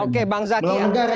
oke bang zatian